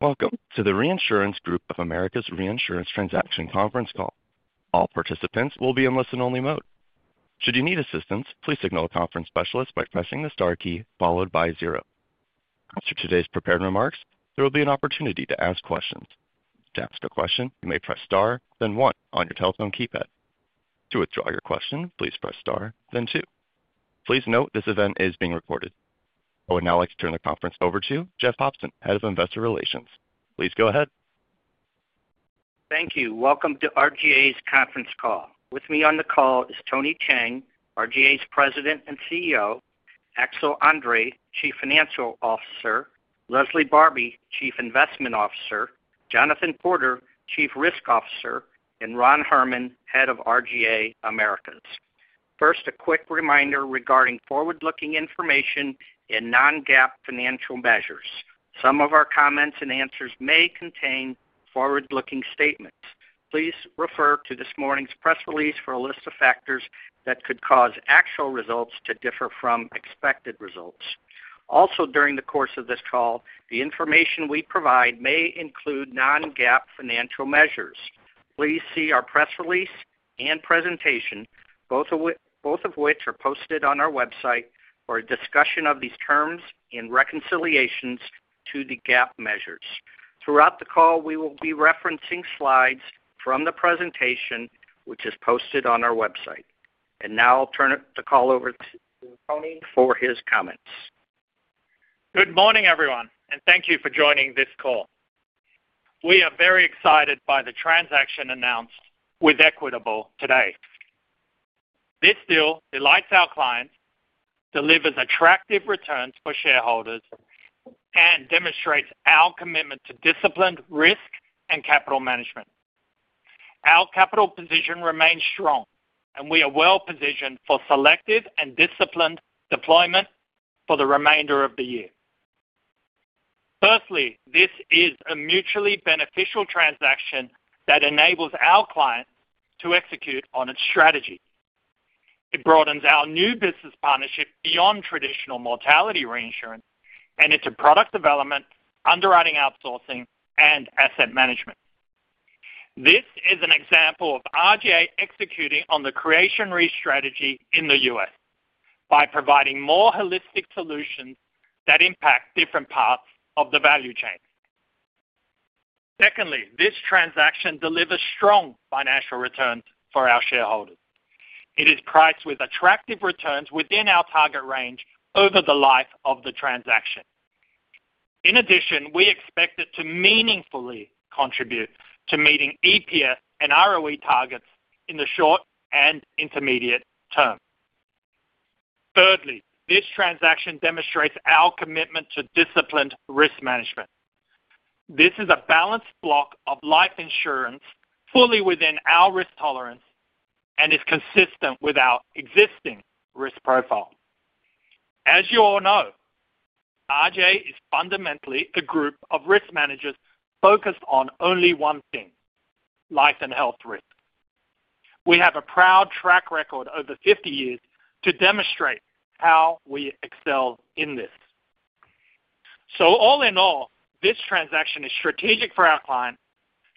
Welcome to the Reinsurance Group of America's Reinsurance Transaction Conference Call. All participants will be in listen-only mode. Should you need assistance, please signal a conference specialist by pressing the star key followed by zero. After today's prepared remarks, there will be an opportunity to ask questions. To ask a question, you may press star, then one on your telephone keypad. To withdraw your question, please press star, then two. Please note this event is being recorded. I would now like to turn the conference over to Jeff Hopson, Head of Investor Relations. Please go ahead. Thank you. Welcome to RGA's conference call. With me on the call is Tony Cheng, RGA's President and CEO, Axel André, Chief Financial Officer, Leslie Barbi, Chief Investment Officer, Jonathan Porter, Chief Risk Officer, and Ron Herrmann, Head of RGA Americas. First, a quick reminder regarding forward-looking information and non-GAAP financial measures. Some of our comments and answers may contain forward-looking statements. Please refer to this morning's press release for a list of factors that could cause actual results to differ from expected results. Also, during the course of this call, the information we provide may include non-GAAP financial measures. Please see our press release and presentation, both of which are posted on our website, for a discussion of these terms in reconciliations to the GAAP measures. Throughout the call, we will be referencing slides from the presentation, which is posted on our website. And now I'll turn the call over to Tony for his comments. Good morning, everyone, and thank you for joining this call. We are very excited by the transaction announced with Equitable today. This deal delights our clients, delivers attractive returns for shareholders, and demonstrates our commitment to disciplined risk and capital management. Our capital position remains strong, and we are well-positioned for selective and disciplined deployment for the remainder of the year. Firstly, this is a mutually beneficial transaction that enables our clients to execute on its strategy. It broadens our new business partnership beyond traditional mortality reinsurance, and into product development, underwriting outsourcing, and asset management. This is an example of RGA executing on the Creation Re strategy in the U.S. by providing more holistic solutions that impact different parts of the value chain. Secondly, this transaction delivers strong financial returns for our shareholders. It is priced with attractive returns within our target range over the life of the transaction. In addition, we expect it to meaningfully contribute to meeting EPS and ROE targets in the short and intermediate term. Thirdly, this transaction demonstrates our commitment to disciplined risk management. This is a balanced block of life insurance fully within our risk tolerance and is consistent with our existing risk profile. As you all know, RGA is fundamentally a group of risk managers focused on only one thing: life and health risk. We have a proud track record over 50 years to demonstrate how we excel in this. So all in all, this transaction is strategic for our clients,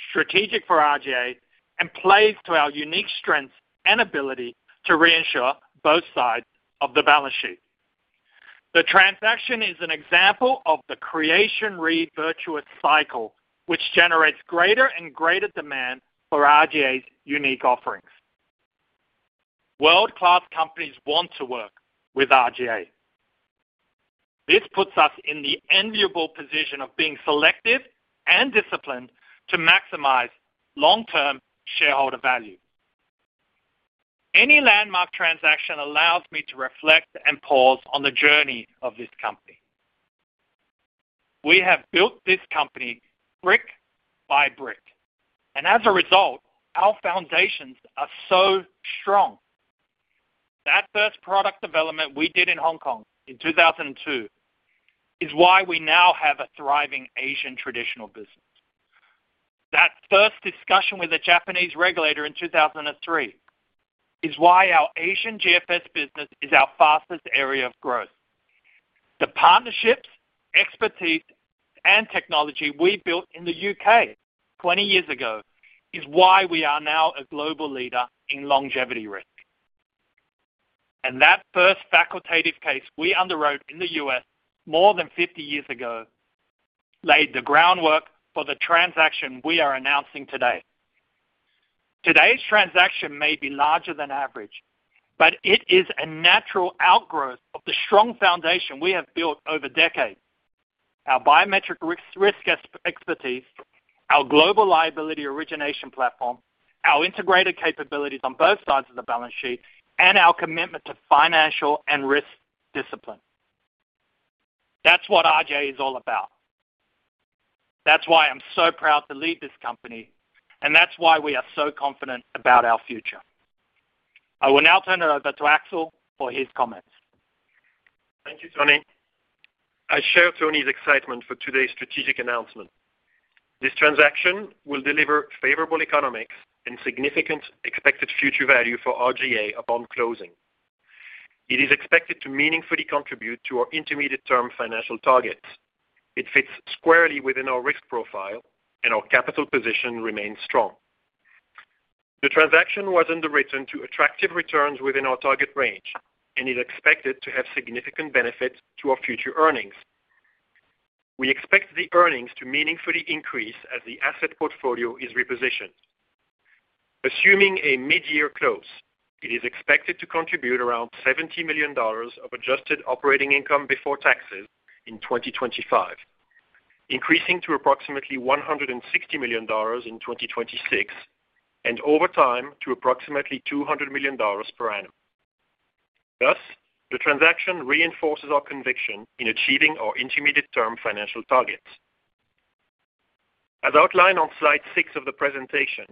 strategic for RGA, and plays to our unique strengths and ability to reinsure both sides of the balance sheet. The transaction is an example of the Creation Re virtuous cycle, which generates greater and greater demand for RGA's unique offerings. World-class companies want to work with RGA. This puts us in the enviable position of being selective and disciplined to maximize long-term shareholder value. Any landmark transaction allows me to reflect and pause on the journey of this company. We have built this company brick by brick, and as a result, our foundations are so strong. That first product development we did in Hong Kong in 2002 is why we now have a thriving Asian traditional business. That first discussion with a Japanese regulator in 2003 is why our Asian GFS business is our fastest area of growth. The partnerships, expertise, and technology we built in the U.K. 20 years ago is why we are now a global leader in longevity risk. And that first facultative case we underwrote in the U.S. more than 50 years ago laid the groundwork for the transaction we are announcing today. Today's transaction may be larger than average, but it is a natural outgrowth of the strong foundation we have built over decades: our biometric risk expertise, our global liability origination platform, our integrated capabilities on both sides of the balance sheet, and our commitment to financial and risk discipline. That's what RGA is all about. That's why I'm so proud to lead this company, and that's why we are so confident about our future. I will now turn it over to Axel André for his comments. Thank you, Tony. I share Tony's excitement for today's strategic announcement. This transaction will deliver favorable economics and significant expected future value for RGA upon closing. It is expected to meaningfully contribute to our intermediate-term financial targets. It fits squarely within our risk profile, and our capital position remains strong. The transaction was underwritten to attractive returns within our target range, and is expected to have significant benefit to our future earnings. We expect the earnings to meaningfully increase as the asset portfolio is repositioned. Assuming a mid-year close, it is expected to contribute around $70 million of adjusted operating income before taxes in 2025, increasing to approximately $160 million in 2026, and over time to approximately $200 million per annum. Thus, the transaction reinforces our conviction in achieving our intermediate-term financial targets. As outlined on slide six of the presentation,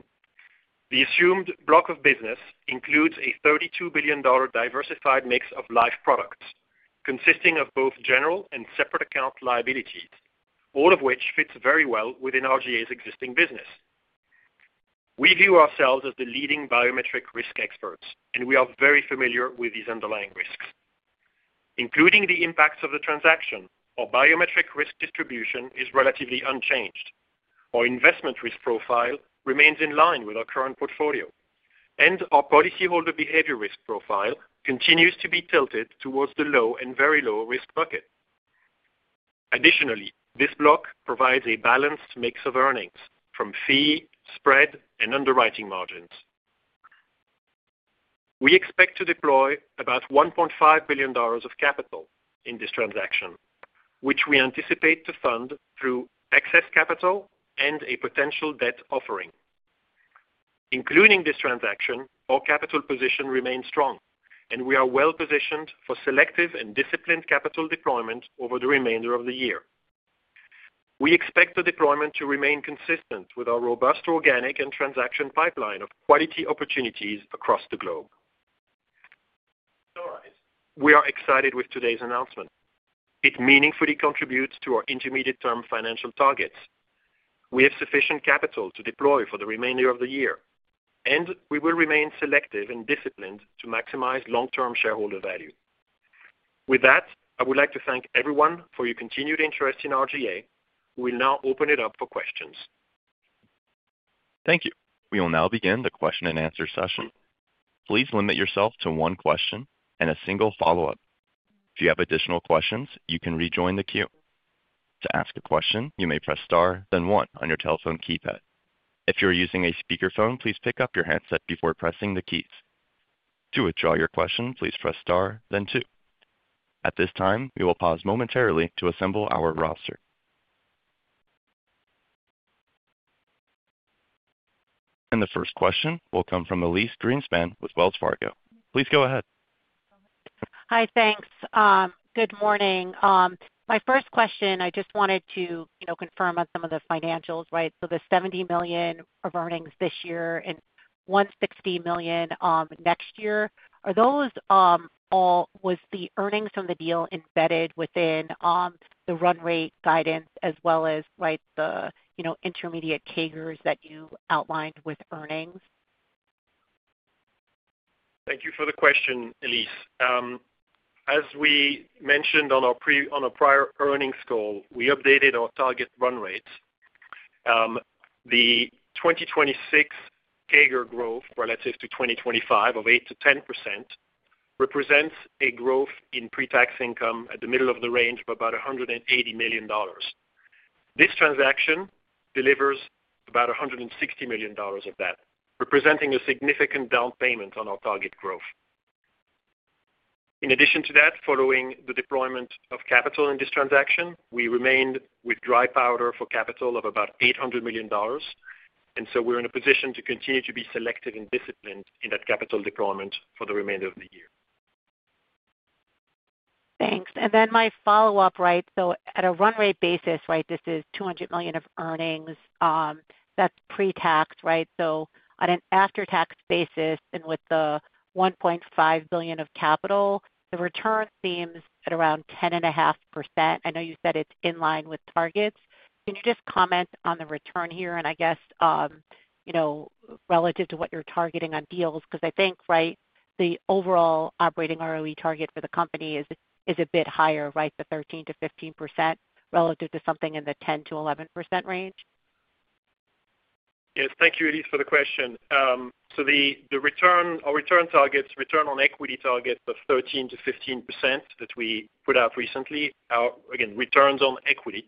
the assumed block of business includes a $32 billion diversified mix of life products consisting of both general and separate account liabilities, all of which fits very well within RGA's existing business. We view ourselves as the leading biometric risk experts, and we are very familiar with these underlying risks. Including the impacts of the transaction, our biometric risk distribution is relatively unchanged. Our investment risk profile remains in line with our current portfolio, and our policyholder behavior risk profile continues to be tilted towards the low and very low risk bucket. Additionally, this block provides a balanced mix of earnings from fee, spread, and underwriting margins. We expect to deploy about $1.5 billion of capital in this transaction, which we anticipate to fund through excess capital and a potential debt offering. Including this transaction, our capital position remains strong, and we are well-positioned for selective and disciplined capital deployment over the remainder of the year. We expect the deployment to remain consistent with our robust organic and transaction pipeline of quality opportunities across the globe. We are excited with today's announcement. It meaningfully contributes to our intermediate-term financial targets. We have sufficient capital to deploy for the remainder of the year, and we will remain selective and disciplined to maximize long-term shareholder value. With that, I would like to thank everyone for your continued interest in RGA. We'll now open it up for questions. Thank you. We will now begin the question-and-answer session. Please limit yourself to one question and a single follow-up. If you have additional questions, you can rejoin the queue. To ask a question, you may press star, then one on your telephone keypad. If you're using a speakerphone, please pick up your headset before pressing the keys. To withdraw your question, please press star, then two. At this time, we will pause momentarily to assemble our roster, and the first question will come from Elyse Greenspan with Wells Fargo. Please go ahead. Hi, thanks. Good morning. My first question, I just wanted to confirm on some of the financials, right? So the $70 million of earnings this year and $160 million next year, are those all? Was the earnings from the deal embedded within the run rate guidance as well as, right, the intermediate CAGRs that you outlined with earnings? Thank you for the question, Elyse. As we mentioned on our prior earnings call, we updated our target run rates. The 2026 CAGR growth relative to 2025 of 8%-10% represents a growth in pre-tax income at the middle of the range of about $180 million. This transaction delivers about $160 million of that, representing a significant down payment on our target growth. In addition to that, following the deployment of capital in this transaction, we remained with dry powder for capital of about $800 million. And so we're in a position to continue to be selective and disciplined in that capital deployment for the remainder of the year. Thanks. And then my follow-up, right? So at a run rate basis, right, this is $200 million of earnings. That's pre-tax, right? So on an after-tax basis and with the $1.5 billion of capital, the return seems at around 10.5%. I know you said it's in line with targets. Can you just comment on the return here and I guess relative to what you're targeting on deals? Because I think, right, the overall operating ROE target for the company is a bit higher, right, the 13%-15% relative to something in the 10%-11% range. Yes. Thank you, Elyse, for the question. So our return targets, return on equity targets of 13%-15% that we put out recently are, again, returns on equity.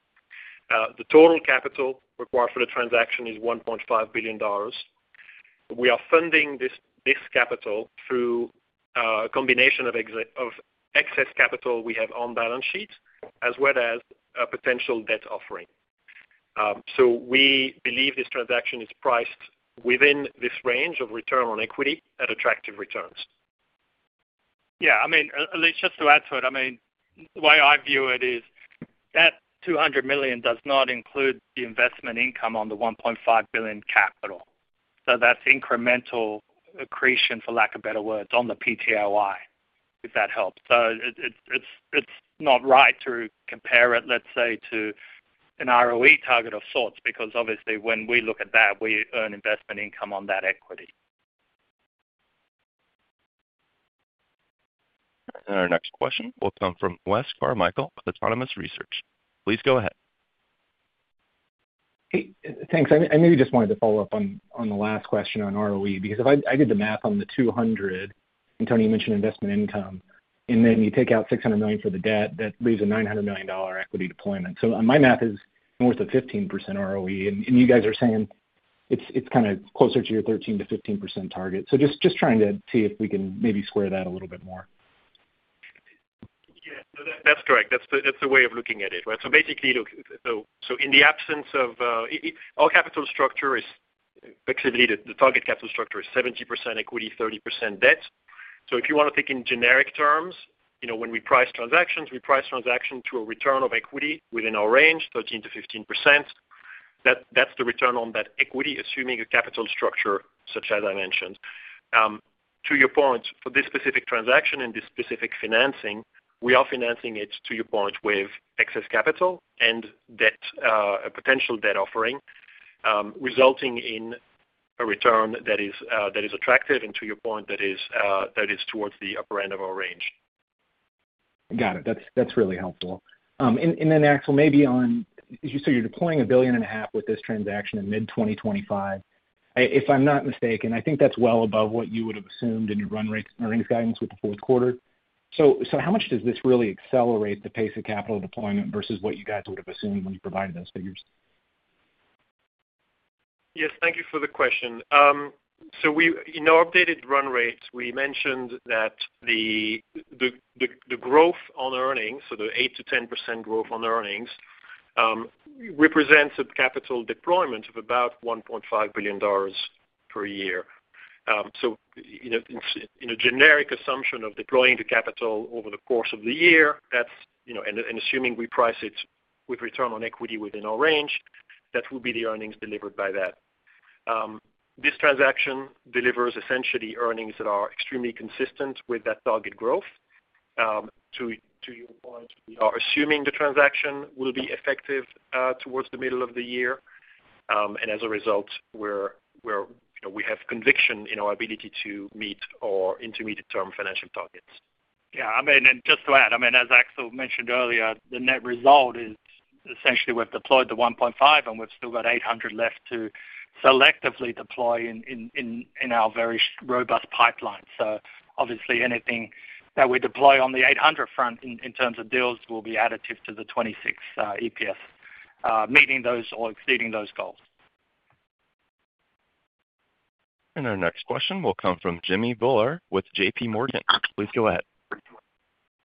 The total capital required for the transaction is $1.5 billion. We are funding this capital through a combination of excess capital we have on balance sheet as well as a potential debt offering. So we believe this transaction is priced within this range of return on equity at attractive returns. Yeah. I mean, Elyse, just to add to it, I mean, the way I view it is that $200 million does not include the investment income on the $1.5 billion capital. So that's incremental accretion, for lack of better words, on the PTOI, if that helps. So it's not right to compare it, let's say, to an ROE target of sorts because, obviously, when we look at that, we earn investment income on that equity. And our next question will come from Wes Carmichael with Autonomous Research. Please go ahead. Hey, thanks. I maybe just wanted to follow up on the last question on ROE because I did the math on the $200, and Tony mentioned investment income, and then you take out $600 million for the debt, that leaves a $900 million equity deployment. So my math is worth a 15% ROE, and you guys are saying it's kind of closer to your 13%-15% target. So just trying to see if we can maybe square that a little bit more. Yeah. So that's correct. That's the way of looking at it, right? So basically, look, so in the absence of our capital structure is basically the target capital structure is 70% equity, 30% debt. So if you want to think in generic terms, when we price transactions, we price transactions to a return of equity within our range, 13%-15%. That's the return on that equity, assuming a capital structure such as I mentioned. To your point, for this specific transaction and this specific financing, we are financing it, to your point, with excess capital and potential debt offering, resulting in a return that is attractive and, to your point, that is towards the upper end of our range. Got it. That's really helpful. And then, Axel, maybe on, as you said, you're deploying $1.5 billion with this transaction in mid-2025. If I'm not mistaken, I think that's well above what you would have assumed in your run rates earnings guidance with the fourth quarter. So how much does this really accelerate the pace of capital deployment versus what you guys would have assumed when you provided those figures? Yes. Thank you for the question. So in our updated run rates, we mentioned that the growth on earnings, so the 8%-10% growth on earnings, represents a capital deployment of about $1.5 billion per year. So in a generic assumption of deploying the capital over the course of the year, and assuming we price it with return on equity within our range, that would be the earnings delivered by that. This transaction delivers essentially earnings that are extremely consistent with that target growth. To your point, we are assuming the transaction will be effective towards the middle of the year. And as a result, we have conviction in our ability to meet our intermediate-term financial targets. Yeah. I mean, and just to add, I mean, as Axel mentioned earlier, the net result is essentially we've deployed the $1.5 billion, and we've still got $800 million left to selectively deploy in our very robust pipeline. So obviously, anything that we deploy on the $800 million front in terms of deals will be additive to the $2.6 EPS, meeting those or exceeding those goals. Our next question will come from Jimmy Bhullar with JPMorgan. Please go ahead.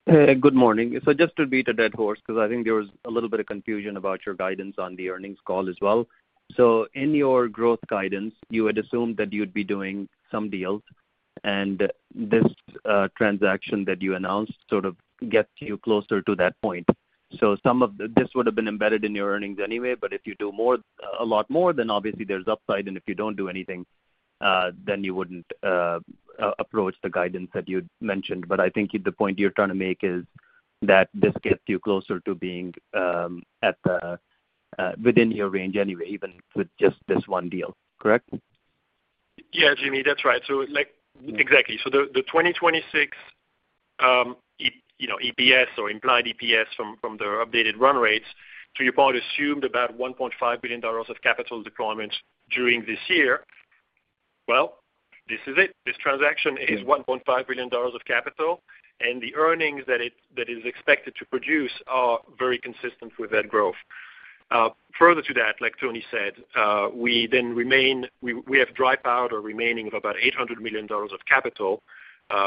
Good morning. So just to beat a dead horse because I think there was a little bit of confusion about your guidance on the earnings call as well. So in your growth guidance, you had assumed that you'd be doing some deals, and this transaction that you announced sort of gets you closer to that point. So this would have been embedded in your earnings anyway, but if you do a lot more, then obviously there's upside. And if you don't do anything, then you wouldn't approach the guidance that you'd mentioned. But I think the point you're trying to make is that this gets you closer to being within your range anyway, even with just this one deal, correct? Yeah, Jimmy, that's right. So exactly. So the 2026 EPS or implied EPS from the updated run rates, to your point, assumed about $1.5 billion of capital deployment during this year. Well, this is it. This transaction is $1.5 billion of capital, and the earnings that it is expected to produce are very consistent with that growth. Further to that, like Tony said, we have dry powder remaining of about $800 million of capital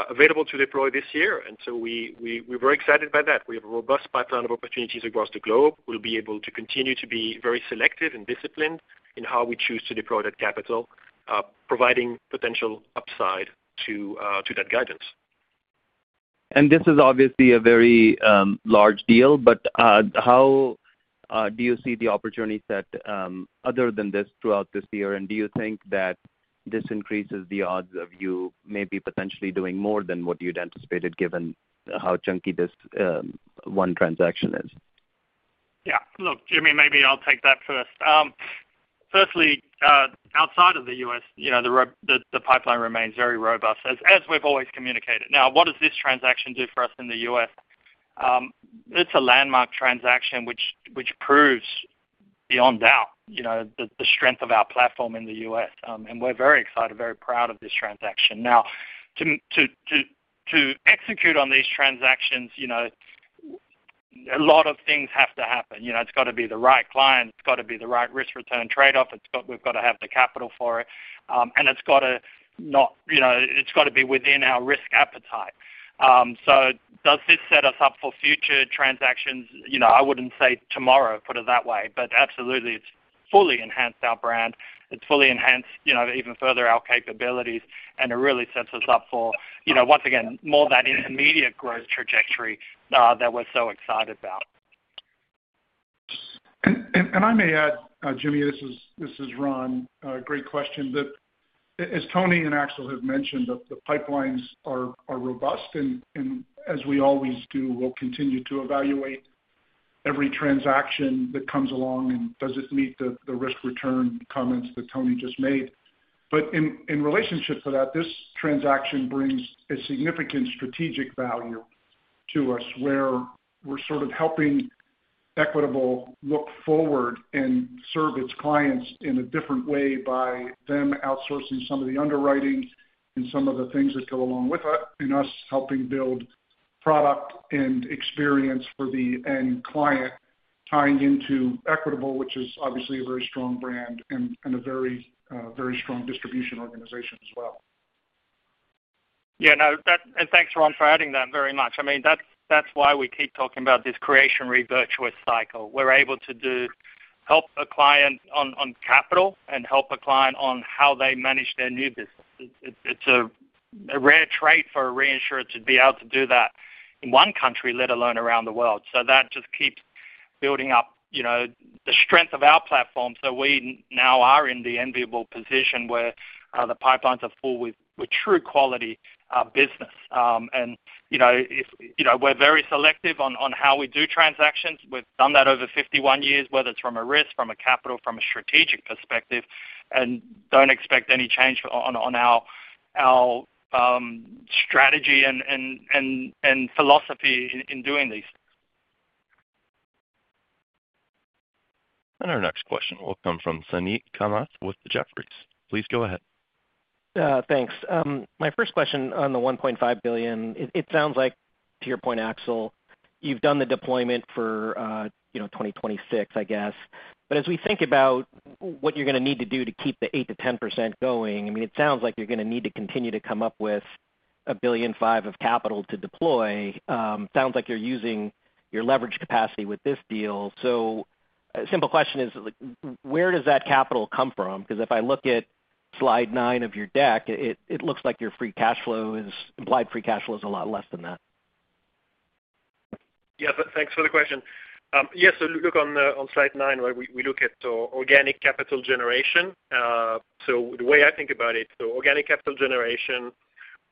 available to deploy this year. And so we're very excited by that. We have a robust pipeline of opportunities across the globe. We'll be able to continue to be very selective and disciplined in how we choose to deploy that capital, providing potential upside to that guidance. And this is obviously a very large deal, but how do you see the opportunities set other than this throughout this year? And do you think that this increases the odds of you maybe potentially doing more than what you'd anticipated given how chunky this one transaction is? Yeah. Look, Jimmy, maybe I'll take that first. Firstly, outside of the U.S., the pipeline remains very robust, as we've always communicated. Now, what does this transaction do for us in the U.S.? It's a landmark transaction, which proves beyond doubt the strength of our platform in the U.S., and we're very excited, very proud of this transaction. Now, to execute on these transactions, a lot of things have to happen. It's got to be the right client. It's got to be the right risk-return trade-off. We've got to have the capital for it, and it's got to be within our risk appetite, so does this set us up for future transactions? I wouldn't say tomorrow. Put it that way, but absolutely, it's fully enhanced our brand. It's fully enhanced even further our capabilities, and it really sets us up for, once again, more of that intermediate growth trajectory that we're so excited about. And I may add, Jimmy, this is Ron. Great question. As Tony and Axel have mentioned, the pipelines are robust, and as we always do, we'll continue to evaluate every transaction that comes along and does it meet the risk-return comments that Tony just made. But in relationship to that, this transaction brings a significant strategic value to us where we're sort of helping Equitable look forward and serve its clients in a different way by them outsourcing some of the underwriting and some of the things that go along with us, helping build product and experience for the end client, tying into Equitable, which is obviously a very strong brand and a very strong distribution organization as well. Yeah, and thanks, Ron, for adding that very much. I mean, that's why we keep talking about this Creation Re virtuous cycle. We're able to help a client on capital and help a client on how they manage their new business. It's a rare trait for a reinsurer to be able to do that in one country, let alone around the world. So that just keeps building up the strength of our platform. We now are in the enviable position where the pipelines are full with true quality business. We're very selective on how we do transactions. We've done that over 51 years, whether it's from a risk, from a capital, from a strategic perspective, and don't expect any change on our strategy and philosophy in doing these. And our next question will come from Suneet Kamath with Jefferies. Please go ahead. Thanks. My first question on the $1.5 billion, it sounds like, to your point, Axel, you've done the deployment for 2026, I guess. But as we think about what you're going to need to do to keep the 8%-10% going, I mean, it sounds like you're going to need to continue to come up with $1.5 billion of capital to deploy. Sounds like you're using your leverage capacity with this deal. So a simple question is, where does that capital come from? Because if I look at slide nine of your deck, it looks like your implied free cash flow is a lot less than that. Yeah. Thanks for the question. Yeah. So look on slide nine, we look at organic capital generation. So the way I think about it, the organic capital generation,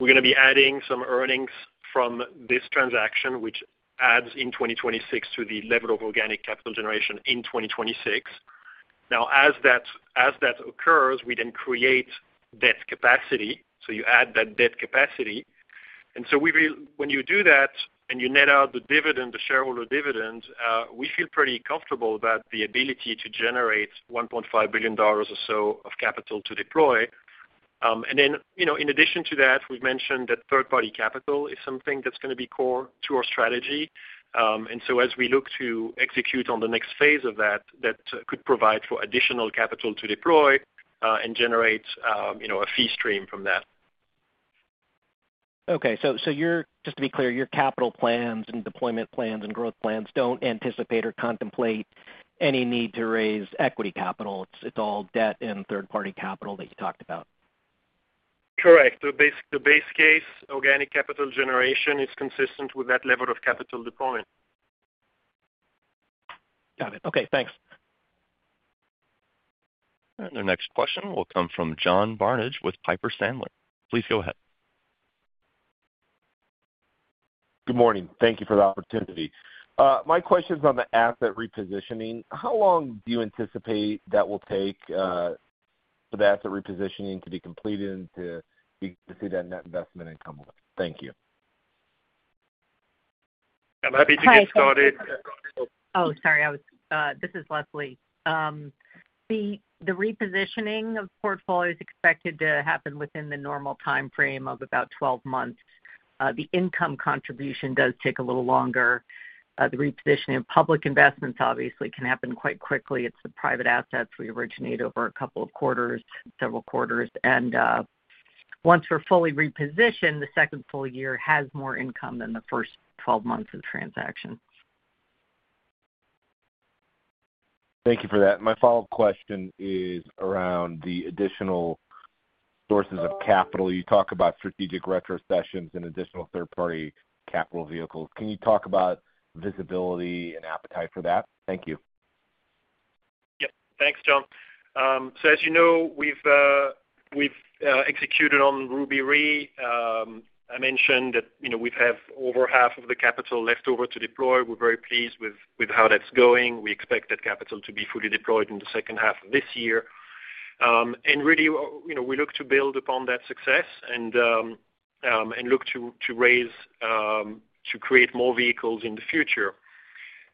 we're going to be adding some earnings from this transaction, which adds in 2026 to the level of organic capital generation in 2026. Now, as that occurs, we then create debt capacity. So you add that debt capacity. And so when you do that and you net out the dividend, the shareholder dividend, we feel pretty comfortable about the ability to generate $1.5 billion or so of capital to deploy. And then in addition to that, we've mentioned that third-party capital is something that's going to be core to our strategy. And so as we look to execute on the next phase of that, that could provide for additional capital to deploy and generate a fee stream from that. Okay. Just to be clear, your capital plans and deployment plans and growth plans don't anticipate or contemplate any need to raise equity capital. It's all debt and third-party capital that you talked about. Correct. The base case, organic capital generation is consistent with that level of capital deployment. Got it. Okay. Thanks. And our next question will come from John Barnidge with Piper Sandler. Please go ahead. Good morning. Thank you for the opportunity. My question's on the asset repositioning. How long do you anticipate that will take for the asset repositioning to be completed and to see that net investment income? Thank you. I'm happy to get started. Oh, sorry. This is Leslie. The repositioning of portfolio is expected to happen within the normal timeframe of about 12 months. The income contribution does take a little longer. The repositioning of public investments obviously can happen quite quickly. It's the private assets. We originate over a couple of quarters, several quarters. And once we're fully repositioned, the second full year has more income than the first 12 months of transaction. Thank you for that. My follow-up question is around the additional sources of capital. You talk about strategic retrocessions and additional third-party capital vehicles. Can you talk about visibility and appetite for that? Thank you. Yeah. Thanks, John. So as you know, we've executed on Ruby Re. I mentioned that we have over half of the capital left over to deploy. We're very pleased with how that's going. We expect that capital to be fully deployed in the second half of this year. And really, we look to build upon that success and look to create more vehicles in the future.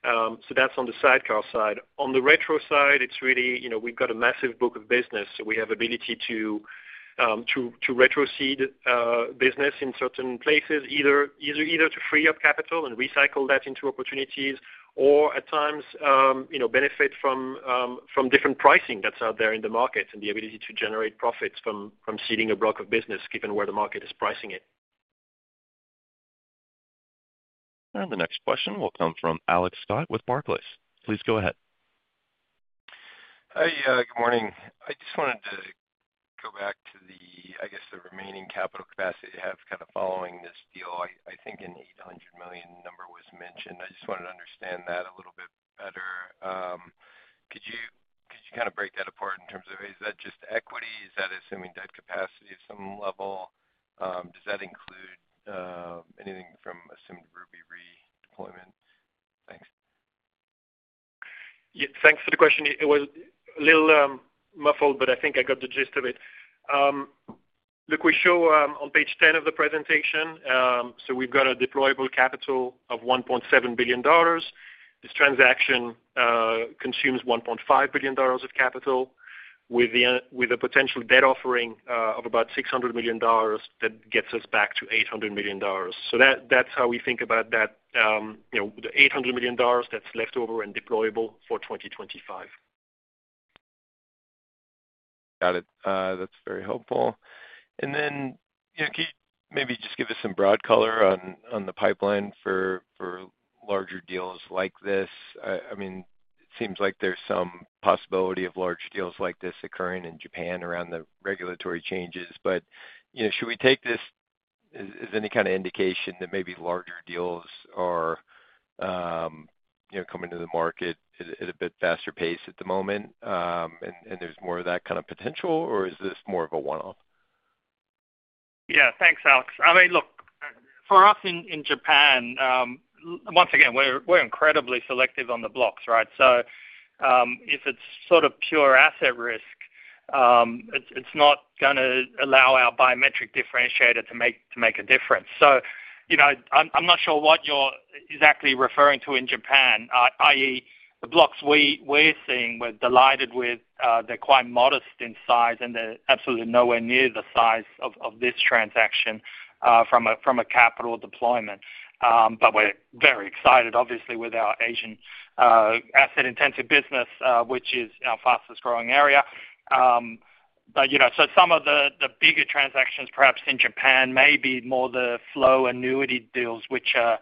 So that's on the sidecar side. On the retro side, it's really we've got a massive book of business. So we have the ability to retrocede business in certain places, either to free up capital and recycle that into opportunities or, at times, benefit from different pricing that's out there in the market and the ability to generate profits from seeding a block of business, given where the market is pricing it. The next question will come from Alex Scott with Barclays. Please go ahead. Hey, good morning. I just wanted to go back to the, I guess, the remaining capital capacity you have kind of following this deal. I think an $800 million number was mentioned. I just wanted to understand that a little bit better. Could you kind of break that apart in terms of, is that just equity? Is that assuming debt capacity at some level? Does that include anything from assumed Ruby Re deployment? Thanks. Yeah. Thanks for the question. It was a little muffled, but I think I got the gist of it. Look, we show on page 10 of the presentation, so we've got a deployable capital of $1.7 billion. This transaction consumes $1.5 billion of capital with a potential debt offering of about $600 million that gets us back to $800 million. So that's how we think about that, the $800 million that's left over and deployable for 2025. Got it. That's very helpful. And then can you maybe just give us some broad color on the pipeline for larger deals like this? I mean, it seems like there's some possibility of large deals like this occurring in Japan around the regulatory changes. But should we take this as any kind of indication that maybe larger deals are coming to the market at a bit faster pace at the moment and there's more of that kind of potential, or is this more of a one-off? Yeah. Thanks, Alex. I mean, look, for us in Japan, once again, we're incredibly selective on the blocks, right? So if it's sort of pure asset risk, it's not going to allow our biometric differentiator to make a difference. So I'm not sure what you're exactly referring to in Japan, i.e., the blocks we're seeing, we're delighted with. They're quite modest in size, and they're absolutely nowhere near the size of this transaction from a capital deployment. But we're very excited, obviously, with our Asian asset-intensive business, which is our fastest growing area. So some of the bigger transactions, perhaps in Japan, may be more the flow annuity deals, which are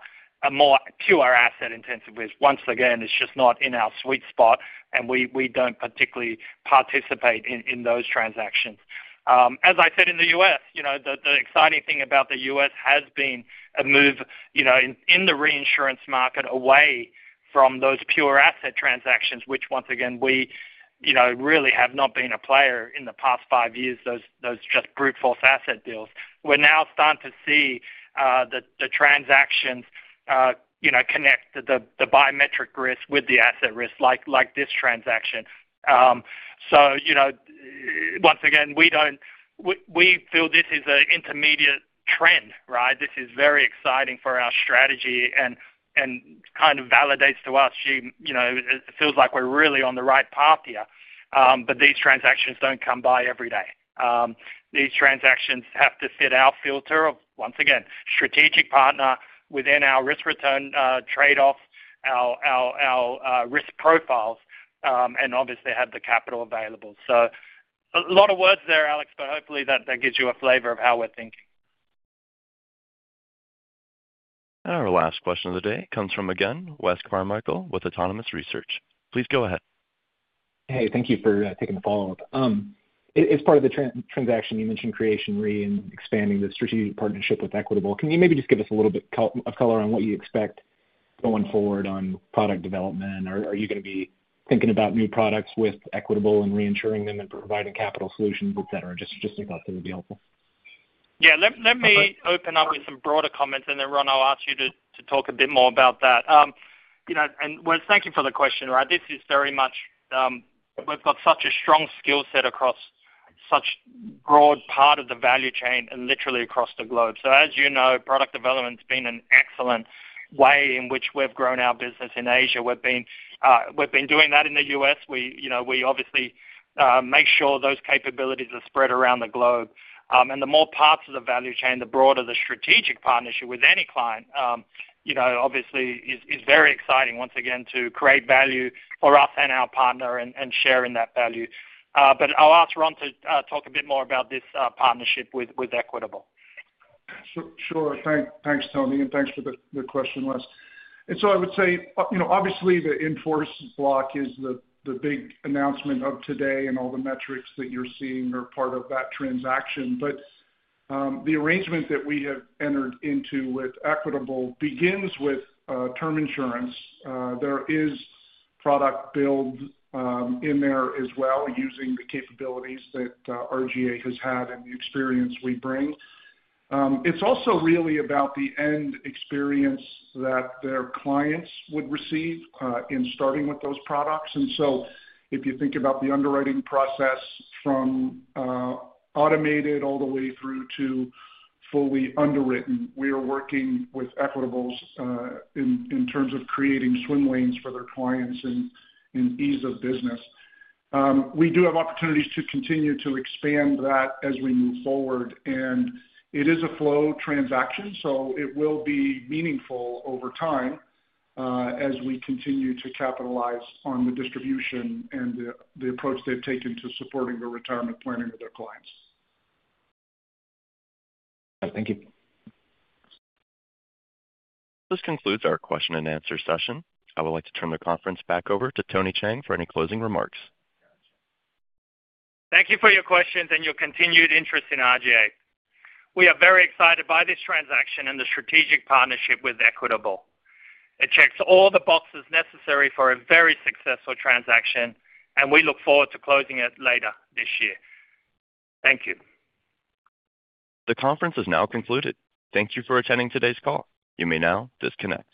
more pure asset-intensive. Once again, it's just not in our sweet spot, and we don't particularly participate in those transactions. As I said, in the U.S., the exciting thing about the U.S. has been a move in the reinsurance market away from those pure asset transactions, which, once again, we really have not been a player in the past five years, those just brute force asset deals. We're now starting to see the transactions connect the biometric risk with the asset risk, like this transaction. So once again, we feel this is an intermediate trend, right? This is very exciting for our strategy and kind of validates to us. It feels like we're really on the right path here. But these transactions don't come by every day. These transactions have to fit our filter of, once again, strategic partner within our risk-return trade-off, our risk profiles, and obviously have the capital available. So a lot of words there, Alex, but hopefully that gives you a flavor of how we're thinking. Our last question of the day comes from, again, Wes Carmichael with Autonomous Research. Please go ahead. Hey, thank you for taking the follow-up. As part of the transaction, you mentioned Creation Re and expanding the strategic partnership with Equitable. Can you maybe just give us a little bit of color on what you expect going forward on product development? Are you going to be thinking about new products with Equitable and reinsuring them and providing capital solutions, etc.? Just some thoughts that would be helpful. Yeah. Let me open up with some broader comments, and then, Ron, I'll ask you to talk a bit more about that, and Wes, thank you for the question, right? This is very much we've got such a strong skill set across such a broad part of the value chain and literally across the globe. So as you know, product development has been an excellent way in which we've grown our business in Asia. We've been doing that in the U.S. We obviously make sure those capabilities are spread around the globe, and the more parts of the value chain, the broader the strategic partnership with any client, obviously, is very exciting, once again, to create value for us and our partner and sharing that value, but I'll ask Ron to talk a bit more about this partnership with Equitable. Sure. Thanks, Tony, and thanks for the question, Wes, and so I would say, obviously, the in-force block is the big announcement of today, and all the metrics that you're seeing are part of that transaction, but the arrangement that we have entered into with Equitable begins with term insurance. There is product build in there as well using the capabilities that RGA has had and the experience we bring. It's also really about the end experience that their clients would receive in starting with those products, and so if you think about the underwriting process from automated all the way through to fully underwritten, we are working with Equitable in terms of creating swim lanes for their clients and ease of business. We do have opportunities to continue to expand that as we move forward. It is a flow transaction, so it will be meaningful over time as we continue to capitalize on the distribution and the approach they've taken to supporting the retirement planning of their clients. Thank you. This concludes our question and answer session. I would like to turn the conference back over to Tony Cheng for any closing remarks. Thank you for your questions and your continued interest in RGA. We are very excited by this transaction and the strategic partnership with Equitable. It checks all the boxes necessary for a very successful transaction, and we look forward to closing it later this year. Thank you. The conference is now concluded. Thank you for attending today's call. You may now disconnect.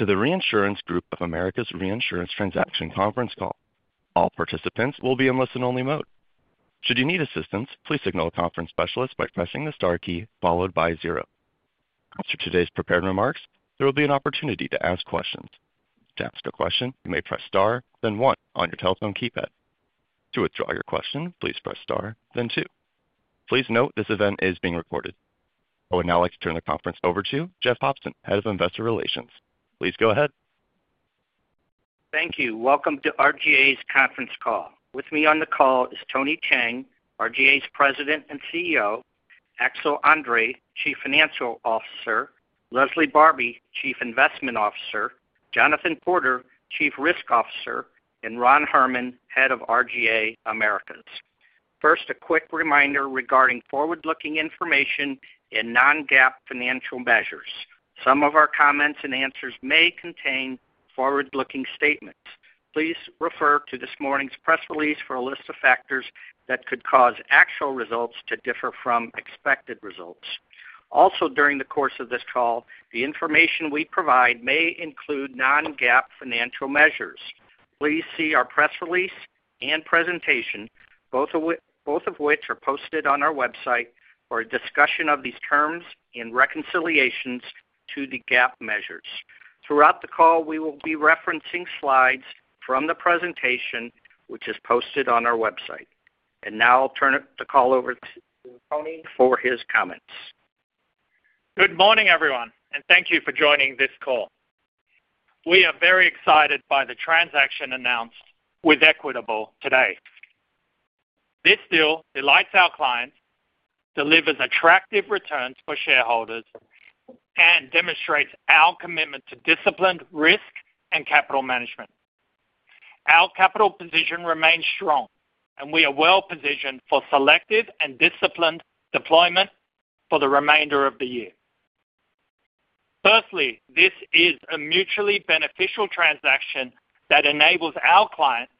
Welcome to the Reinsurance Group of America's Reinsurance Transaction Conference Call. All participants will be in listen-only mode. Should you need assistance, please signal a conference specialist by pressing the star key followed by zero. After today's prepared remarks, there will be an opportunity to ask questions. To ask a question, you may press star, then one on your telephone keypad. To withdraw your question, please press star, then two. Please note this event is being recorded. I would now like to turn the conference over to Jeff Hopson, Head of Investor Relations. Please go ahead. Thank you. Welcome to RGA's conference call. With me on the call is Tony Cheng, RGA's President and CEO, Axel André, Chief Financial Officer, Leslie Barbi, Chief Investment Officer, Jonathan Porter, Chief Risk Officer, and Ron Herrmann, Head of RGA Americas. First, a quick reminder regarding forward-looking information and non-GAAP financial measures. Some of our comments and answers may contain forward-looking statements. Please refer to this morning's press release for a list of factors that could cause actual results to differ from expected results. Also, during the course of this call, the information we provide may include non-GAAP financial measures. Please see our press release and presentation, both of which are posted on our website for a discussion of these terms in reconciliations to the GAAP measures. Throughout the call, we will be referencing slides from the presentation, which is posted on our website. And now I'll turn the call over to Tony for his comments. Good morning, everyone, and thank you for joining this call. We are very excited by the transaction announced with Equitable today. This deal delights our clients, delivers attractive returns for shareholders, and demonstrates our commitment to disciplined risk and capital management. Our capital position remains strong, and we are well-positioned for selective and disciplined deployment for the remainder of the year. Firstly, this is a mutually beneficial transaction that enables our clients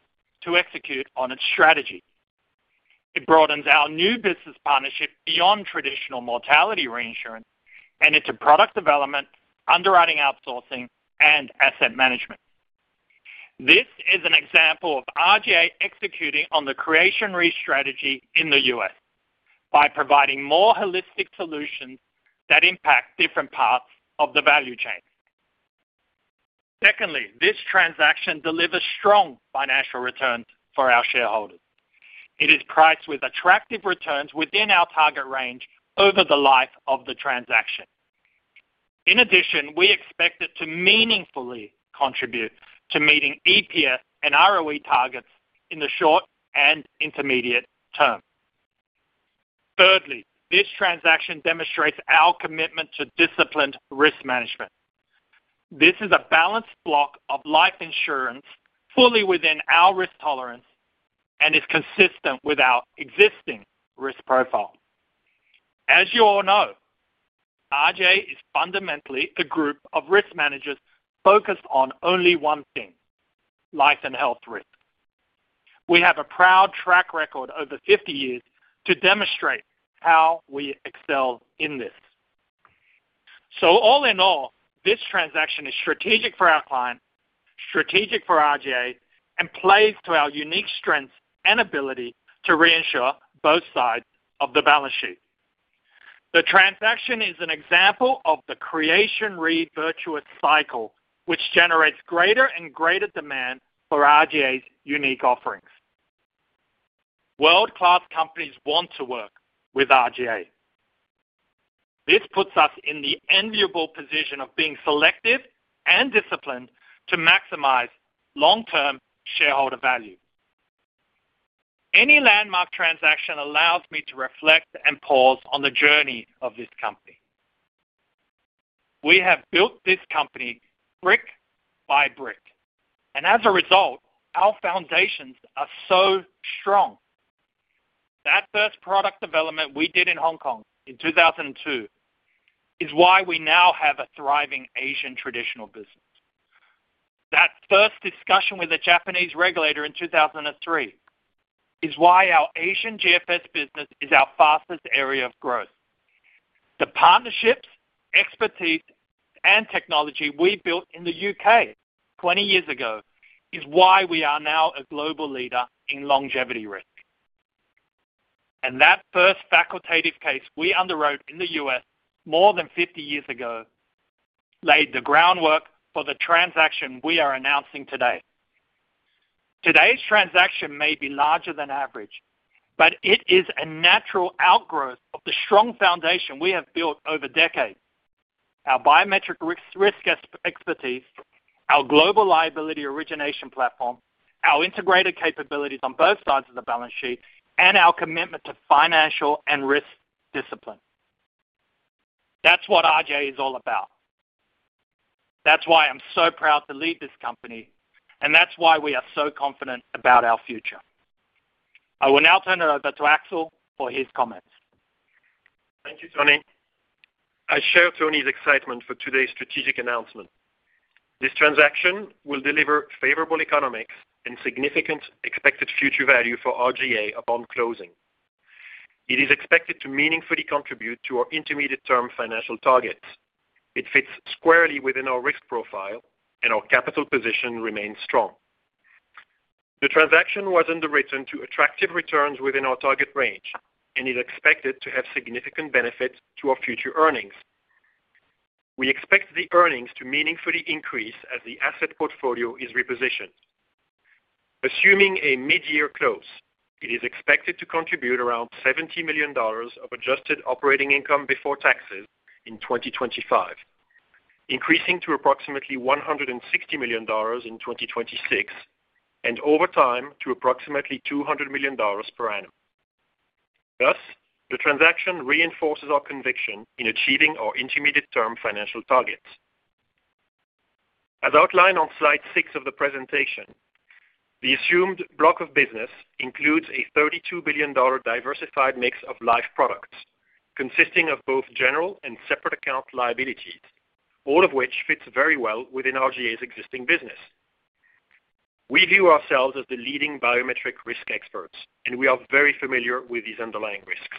to execute on its strategy. It broadens our new business partnership beyond traditional mortality reinsurance, and into product development, underwriting outsourcing, and asset management. This is an example of RGA executing on the Creation Re strategy in the U.S. by providing more holistic solutions that impact different parts of the value chain. Secondly, this transaction delivers strong financial returns for our shareholders. It is priced with attractive returns within our target range over the life of the transaction. In addition, we expect it to meaningfully contribute to meeting EPS and ROE targets in the short and intermediate term. Thirdly, this transaction demonstrates our commitment to disciplined risk management. This is a balanced block of life insurance fully within our risk tolerance and is consistent with our existing risk profile. As you all know, RGA is fundamentally a group of risk managers focused on only one thing: life and health risk. We have a proud track record over 50 years to demonstrate how we excel in this, so all in all, this transaction is strategic for our clients, strategic for RGA, and plays to our unique strengths and ability to reinsure both sides of the balance sheet. The transaction is an example of the Creation Re virtuous cycle, which generates greater and greater demand for RGA's unique offerings. World-class companies want to work with RGA. This puts us in the enviable position of being selective and disciplined to maximize long-term shareholder value. Any landmark transaction allows me to reflect and pause on the journey of this company. We have built this company brick by brick, and as a result, our foundations are so strong. That first product development we did in Hong Kong in 2002 is why we now have a thriving Asian traditional business. That first discussion with a Japanese regulator in 2003 is why our Asian GFS business is our fastest area of growth. The partnerships, expertise, and technology we built in the U.K. 20 years ago is why we are now a global leader in longevity risk. And that first facultative case we underwrote in the U.S. more than 50 years ago laid the groundwork for the transaction we are announcing today. Today's transaction may be larger than average, but it is a natural outgrowth of the strong foundation we have built over decades: our biometric risk expertise, our global liability origination platform, our integrated capabilities on both sides of the balance sheet, and our commitment to financial and risk discipline. That's what RGA is all about. That's why I'm so proud to lead this company, and that's why we are so confident about our future. I will now turn it over to Axel for his comments. Thank you, Tony. I share Tony's excitement for today's strategic announcement. This transaction will deliver favorable economics and significant expected future value for RGA upon closing. It is expected to meaningfully contribute to our intermediate-term financial targets. It fits squarely within our risk profile, and our capital position remains strong. The transaction was underwritten to attractive returns within our target range, and it is expected to have significant benefits to our future earnings. We expect the earnings to meaningfully increase as the asset portfolio is repositioned. Assuming a mid-year close, it is expected to contribute around $70 million of adjusted operating income before taxes in 2025, increasing to approximately $160 million in 2026, and over time to approximately $200 million per annum. Thus, the transaction reinforces our conviction in achieving our intermediate-term financial targets. As outlined on slide six of the presentation, the assumed block of business includes a $32 billion diversified mix of life products consisting of both general and separate account liabilities, all of which fits very well within RGA's existing business. We view ourselves as the leading biometric risk experts, and we are very familiar with these underlying risks.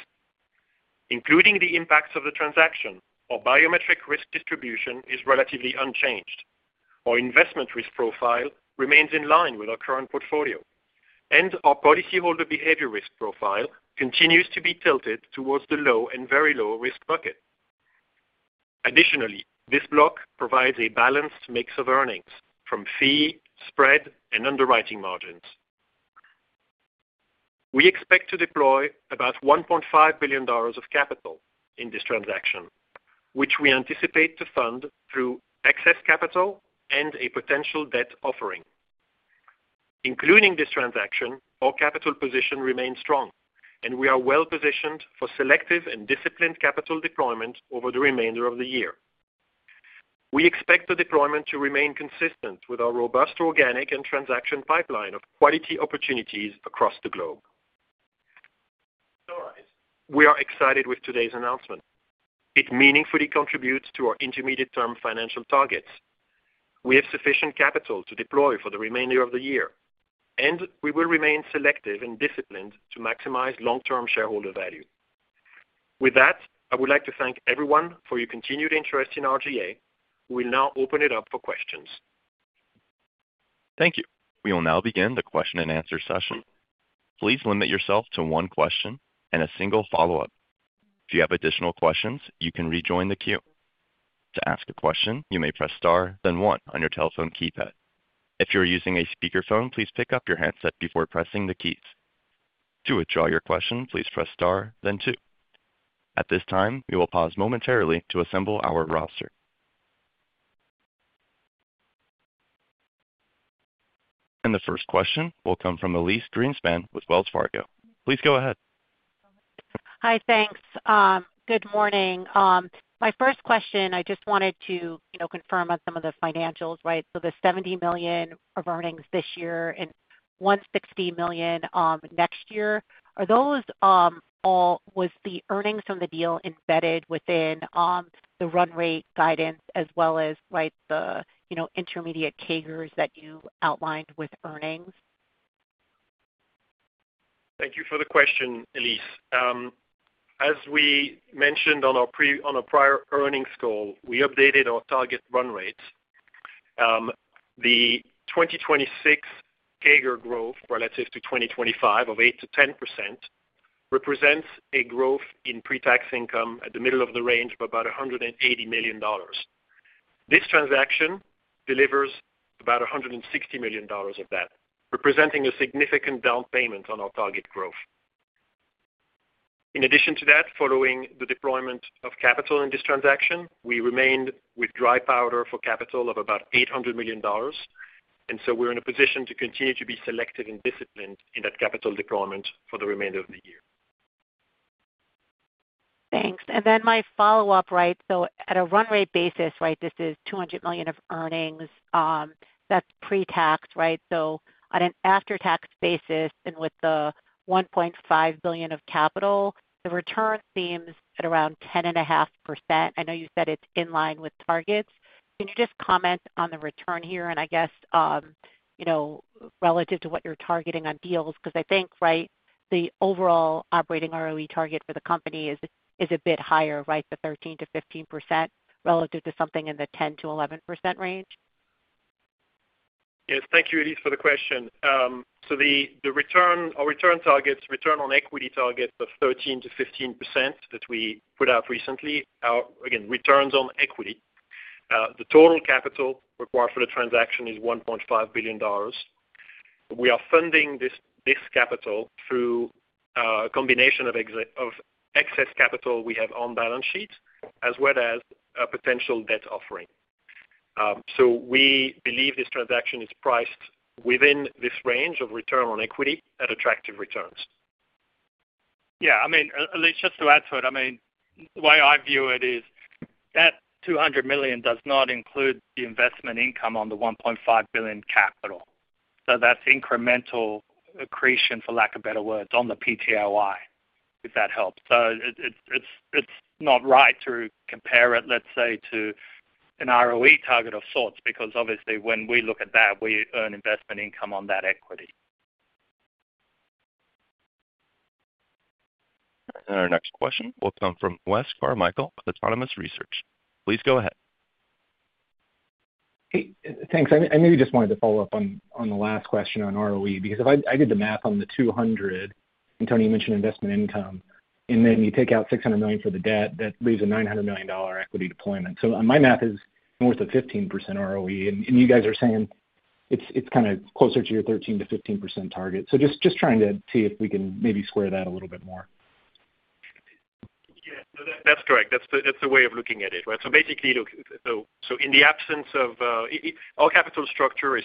Including the impacts of the transaction, our biometric risk distribution is relatively unchanged. Our investment risk profile remains in line with our current portfolio, and our policyholder behavior risk profile continues to be tilted towards the low and very low risk bucket. Additionally, this block provides a balanced mix of earnings from fee, spread, and underwriting margins. We expect to deploy about $1.5 billion of capital in this transaction, which we anticipate to fund through excess capital and a potential debt offering. Including this transaction, our capital position remains strong, and we are well-positioned for selective and disciplined capital deployment over the remainder of the year. We expect the deployment to remain consistent with our robust organic and transaction pipeline of quality opportunities across the globe. We are excited with today's announcement. It meaningfully contributes to our intermediate-term financial targets. We have sufficient capital to deploy for the remainder of the year, and we will remain selective and disciplined to maximize long-term shareholder value. With that, I would like to thank everyone for your continued interest in RGA. We will now open it up for questions. Thank you. We will now begin the question-and-answer session. Please limit yourself to one question and a single follow-up. If you have additional questions, you can rejoin the queue. To ask a question, you may press star, then one on your telephone keypad. If you're using a speakerphone, please pick up your headset before pressing the keys. To withdraw your question, please press star, then two. At this time, we will pause momentarily to assemble our roster. The first question will come from Elyse Greenspan with Wells Fargo. Please go ahead. Hi, thanks. Good morning. My first question, I just wanted to confirm on some of the financials, right? So the $70 million of earnings this year and $160 million next year, are those all? Was the earnings from the deal embedded within the run rate guidance as well as the intermediate CAGRs that you outlined with earnings? Thank you for the question, Elyse. As we mentioned on our prior earnings call, we updated our target run rates. The 2026 CAGR growth relative to 2025 of 8-10% represents a growth in pre-tax income at the middle of the range of about $180 million. This transaction delivers about $160 million of that, representing a significant down payment on our target growth. In addition to that, following the deployment of capital in this transaction, we remained with dry powder for capital of about $800 million. And so we're in a position to continue to be selective and disciplined in that capital deployment for the remainder of the year. Thanks. And then my follow-up, right? So at a run rate basis, right, this is $200 million of earnings. That's pre-tax, right? So on an after-tax basis and with the $1.5 billion of capital, the return seems at around 10.5%. I know you said it's in line with targets. Can you just comment on the return here and I guess relative to what you're targeting on deals? Because I think, right, the overall operating ROE target for the company is a bit higher, right, the 13%-15% relative to something in the 10%-11% range. Yes. Thank you, Elyse, for the question. So our return targets, return on equity targets of 13%-15% that we put out recently are again returns on equity. The total capital required for the transaction is $1.5 billion. We are funding this capital through a combination of excess capital we have on balance sheet as well as a potential debt offering. So we believe this transaction is priced within this range of return on equity at attractive returns. Yeah. I mean, Elyse, just to add to it, I mean, the way I view it is that $200 million does not include the investment income on the $1.5 billion capital. So that's incremental accretion, for lack of better words, on the PTOI, if that helps. So it's not right to compare it, let's say, to an ROE target of sorts because obviously when we look at that, we earn investment income on that equity. Our next question will come from Wes Carmichael, with Autonomous Research. Please go ahead. Hey, thanks. I maybe just wanted to follow up on the last question on ROE because I did the math on the $200, and Tony mentioned investment income, and then you take out $600 million for the debt, that leaves a $900 million equity deployment. So my math is north of 15% ROE, and you guys are saying it's kind of closer to your 13%-15% target. So just trying to see if we can maybe square that a little bit more. Yeah. No, that's correct. That's the way of looking at it, right? So basically, look, so in the absence of our capital structure is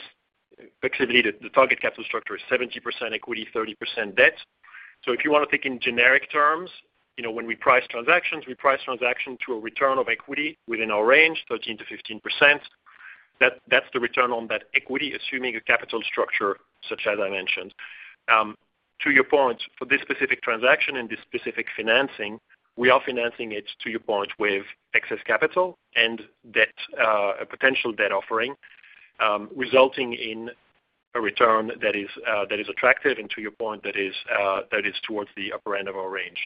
basically the target capital structure is 70% equity, 30% debt. So if you want to think in generic terms, when we price transactions, we price transactions to a return of equity within our range, 13%-15%. That's the return on that equity, assuming a capital structure such as I mentioned. To your point, for this specific transaction and this specific financing, we are financing it, to your point, with excess capital and a potential debt offering, resulting in a return that is attractive and, to your point, that is towards the upper end of our range.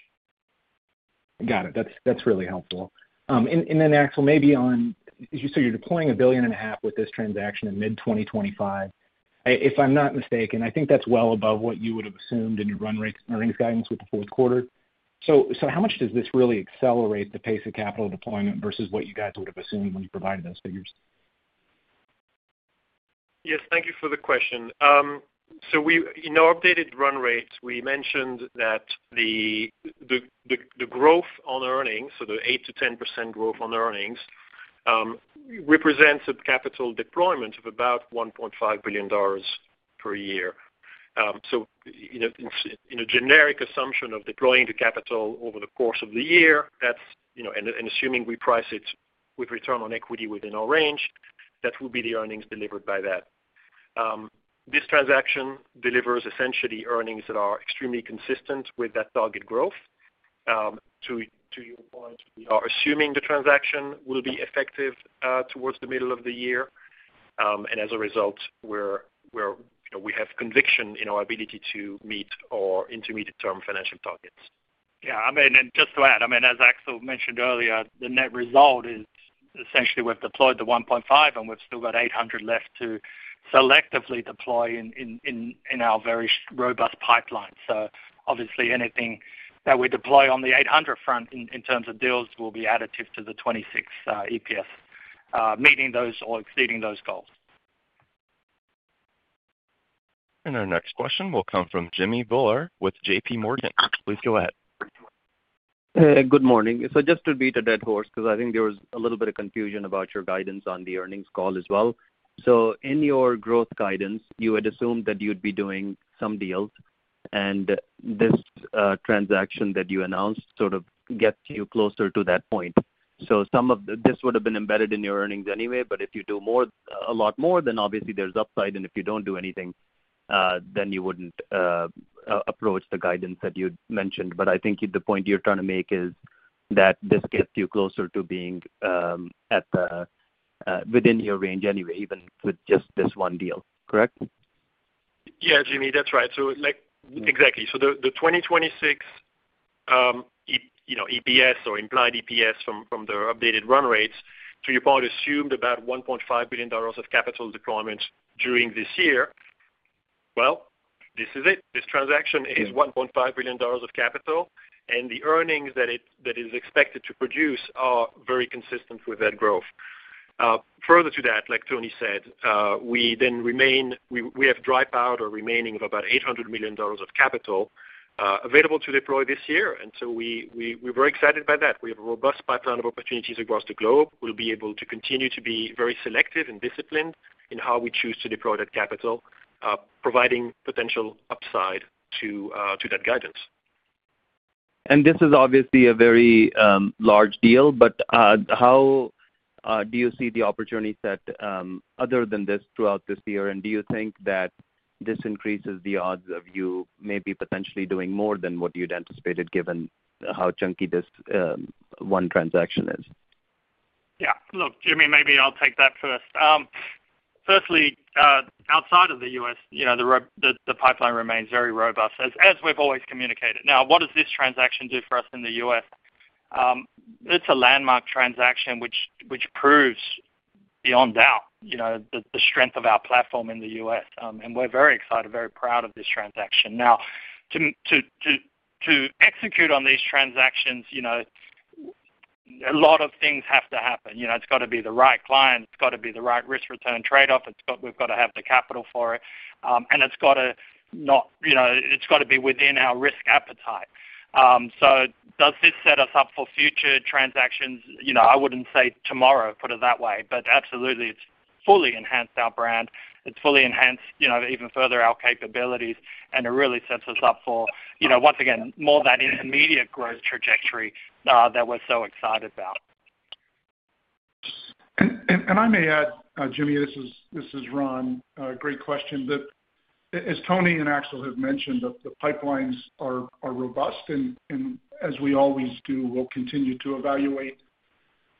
Got it. That's really helpful. And then, Axel, maybe on, as you said, you're deploying $1.5 billion with this transaction in mid-2025. If I'm not mistaken, I think that's well above what you would have assumed in your run rates earnings guidance with the fourth quarter. So how much does this really accelerate the pace of capital deployment versus what you guys would have assumed when you provided those figures? Yes. Thank you for the question. So in our updated run rates, we mentioned that the growth on earnings, so the 8%-10% growth on earnings, represents a capital deployment of about $1.5 billion per year. So in a generic assumption of deploying the capital over the course of the year, and assuming we price it with return on equity within our range, that would be the earnings delivered by that. This transaction delivers essentially earnings that are extremely consistent with that target growth. To your point, we are assuming the transaction will be effective towards the middle of the year. And as a result, we have conviction in our ability to meet our intermediate-term financial targets. Yeah. I mean, and just to add, I mean, as Axel mentioned earlier, the net result is essentially we've deployed the $1.5 billion, and we've still got $800 million left to selectively deploy in our very robust pipeline. So obviously, anything that we deploy on the $800 million front in terms of deals will be additive to the $2.6 EPS, meeting those or exceeding those goals. Our next question will come from Jimmy Bhullar with JPMorgan. Please go ahead. Good morning. So just to beat a dead horse because I think there was a little bit of confusion about your guidance on the earnings call as well. So in your growth guidance, you had assumed that you'd be doing some deals, and this transaction that you announced sort of gets you closer to that point. So this would have been embedded in your earnings anyway, but if you do a lot more, then obviously there's upside. And if you don't do anything, then you wouldn't approach the guidance that you mentioned. But I think the point you're trying to make is that this gets you closer to being within your range anyway, even with just this one deal. Correct? Yeah, Jimmy, that's right. So exactly. So the 2026 EPS or implied EPS from the updated run rates, to your point, assumed about $1.5 billion of capital deployment during this year. Well, this is it. This transaction is $1.5 billion of capital, and the earnings that it is expected to produce are very consistent with that growth. Further to that, like Tony said, we have dry powder remaining of about $800 million of capital available to deploy this year. And so we're very excited by that. We have a robust pipeline of opportunities across the globe. We'll be able to continue to be very selective and disciplined in how we choose to deploy that capital, providing potential upside to that guidance. This is obviously a very large deal, but how do you see the opportunity set other than this throughout this year? And do you think that this increases the odds of you maybe potentially doing more than what you'd anticipated given how chunky this one transaction is? Yeah. Look, Jimmy, maybe I'll take that first. Firstly, outside of the U.S., the pipeline remains very robust, as we've always communicated. Now, what does this transaction do for us in the U.S.? It's a landmark transaction, which proves beyond doubt the strength of our platform in the U.S. And we're very excited, very proud of this transaction. Now, to execute on these transactions, a lot of things have to happen. It's got to be the right client. It's got to be the right risk-return trade-off. We've got to have the capital for it. And it's got to be within our risk appetite. So does this set us up for future transactions? I wouldn't say tomorrow, put it that way, but absolutely, it's fully enhanced our brand. It's fully enhanced even further our capabilities, and it really sets us up for, once again, more of that intermediate growth trajectory that we're so excited about. And I may add, Jimmy, this is Ron. Great question. As Tony and Axel have mentioned, the pipelines are robust, and as we always do, we'll continue to evaluate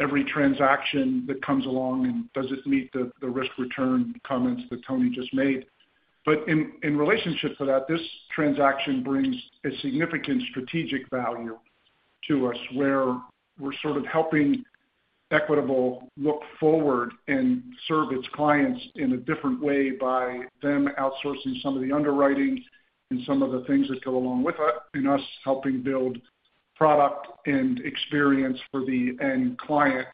every transaction that comes along and does it meet the risk-return comments that Tony just made. But in relationship to that, this transaction brings a significant strategic value to us where we're sort of helping Equitable look forward and serve its clients in a different way by them outsourcing some of the underwriting and some of the things that go along with us and us helping build product and experience for the end client,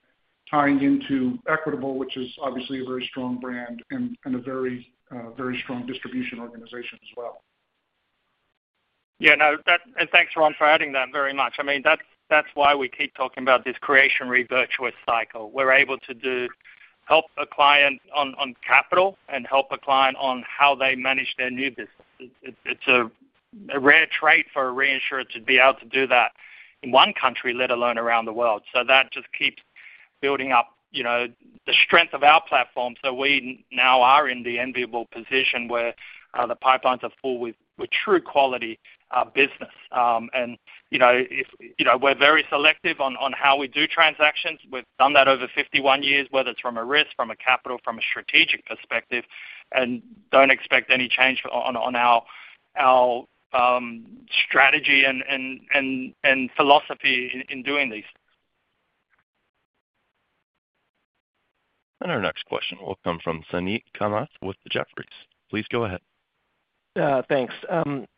tying into Equitable, which is obviously a very strong brand and a very strong distribution organization as well. Yeah. And thanks, Ron, for adding that very much. I mean, that's why we keep talking about this Creation Re virtuous cycle. We're able to help a client on capital and help a client on how they manage their new business. It's a rare trait for a reinsurer to be able to do that in one country, let alone around the world. So that just keeps building up the strength of our platform. So we now are in the enviable position where the pipelines are full with true quality business. And we're very selective on how we do transactions. We've done that over 51 years, whether it's from a risk, from a capital, from a strategic perspective, and don't expect any change on our strategy and philosophy in doing these. Our next question will come from Suneet Kamath with Jefferies. Please go ahead. Thanks.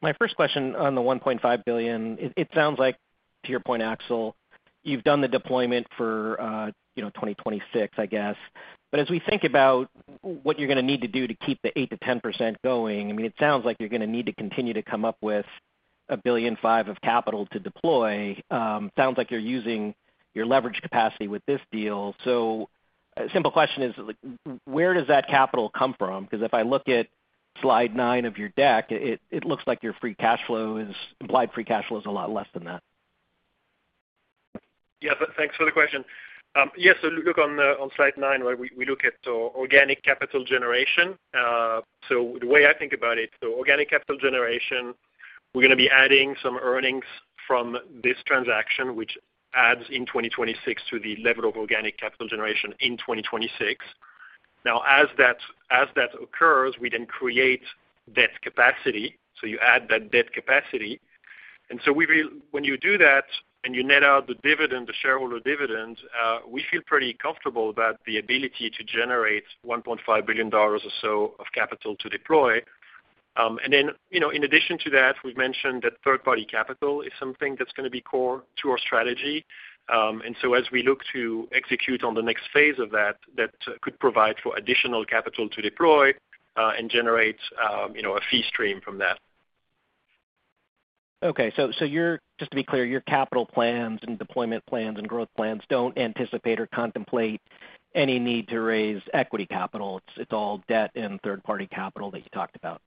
My first question on the $1.5 billion, it sounds like, to your point, Axel, you've done the deployment for 2026, I guess. But as we think about what you're going to need to do to keep the 8%-10% going, I mean, it sounds like you're going to need to continue to come up with a billion five of capital to deploy. It sounds like you're using your leverage capacity with this deal. So a simple question is, where does that capital come from? Because if I look at slide nine of your deck, it looks like your free cash flow is implied free cash flow is a lot less than that. Yeah. Thanks for the question. Yes, so look on slide nine, right? We look at organic capital generation. So the way I think about it, so organic capital generation, we're going to be adding some earnings from this transaction, which adds in 2026 to the level of organic capital generation in 2026. Now, as that occurs, we then create debt capacity. So you add that debt capacity. And so when you do that and you net out the shareholder dividend, we feel pretty comfortable about the ability to generate $1.5 billion or so of capital to deploy. And then in addition to that, we've mentioned that third-party capital is something that's going to be core to our strategy. And so as we look to execute on the next phase of that, that could provide for additional capital to deploy and generate a fee stream from that. Okay. So just to be clear, your capital plans and deployment plans and growth plans don't anticipate or contemplate any need to raise equity capital. It's all debt and third-party capital that you talked about.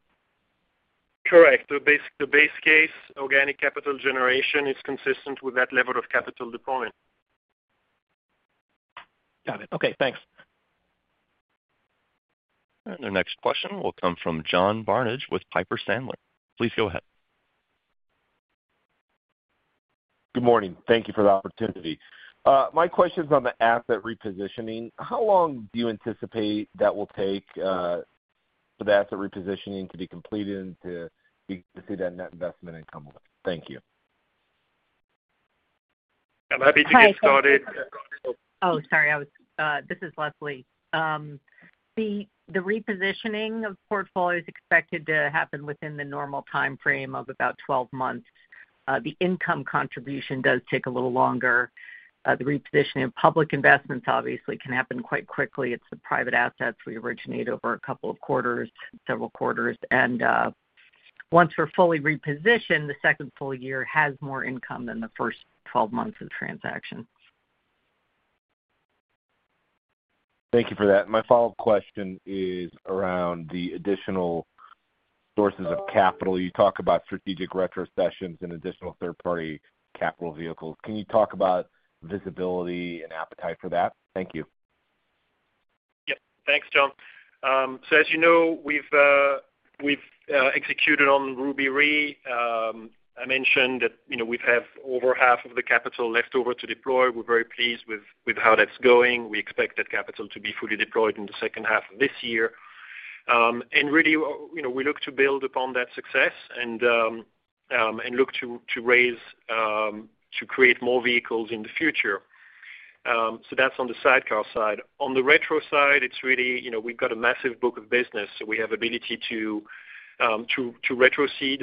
Correct. The base case, organic capital generation is consistent with that level of capital deployment. Got it. Okay. Thanks. Our next question will come from John Barnidge with Piper Sandler. Please go ahead. Good morning. Thank you for the opportunity. My question's on the asset repositioning. How long do you anticipate that will take for the asset repositioning to be completed and to see that net investment income? Thank you. I'm happy to get started. Oh, sorry. This is Leslie. The repositioning of portfolio is expected to happen within the normal timeframe of about 12 months. The income contribution does take a little longer. The repositioning of public investments obviously can happen quite quickly. It's the private assets. We originate over a couple of quarters, several quarters, and once we're fully repositioned, the second full year has more income than the first 12 months of transaction. Thank you for that. My follow-up question is around the additional sources of capital. You talk about strategic retrocessions and additional third-party capital vehicles. Can you talk about visibility and appetite for that? Thank you. Yep. Thanks, John, so as you know, we've executed on Ruby Re. I mentioned that we have over half of the capital left over to deploy. We're very pleased with how that's going. We expect that capital to be fully deployed in the second half of this year, and really, we look to build upon that success and look to create more vehicles in the future, so that's on the sidecar side. On the retro side, it's really we've got a massive book of business. So we have the ability to retrocede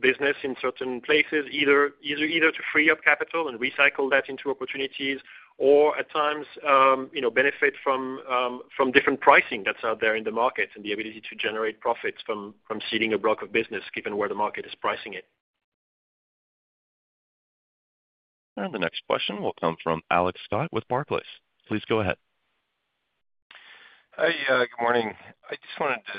business in certain places, either to free up capital and recycle that into opportunities or, at times, benefit from different pricing that's out there in the market and the ability to generate profits from seeding a block of business, given where the market is pricing it. The next question will come from Alex Scott with Barclays. Please go ahead. Hi. Good morning. I just wanted to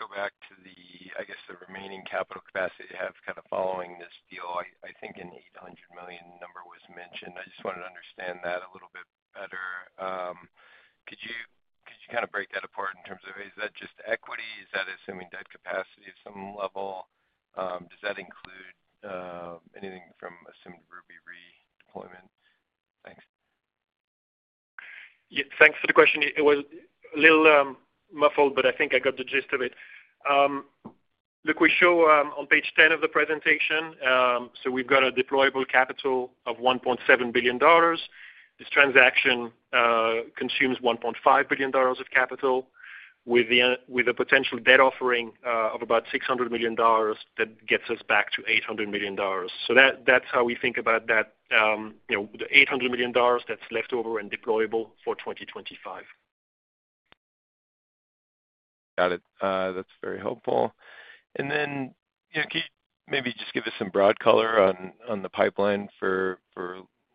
go back to the, I guess, the remaining capital capacity you have kind of following this deal. I think an $800 million number was mentioned. I just wanted to understand that a little bit better. Could you kind of break that apart in terms of, is that just equity? Is that assuming debt capacity at some level? Does that include anything from assumed Ruby Re deployment? Thanks. Yeah. Thanks for the question. It was a little muffled, but I think I got the gist of it. Look, we show on page 10 of the presentation, so we've got a deployable capital of $1.7 billion. This transaction consumes $1.5 billion of capital with a potential debt offering of about $600 million that gets us back to $800 million. So that's how we think about that, the $800 million that's left over and deployable for 2025. Got it. That's very helpful, and then can you maybe just give us some broad color on the pipeline for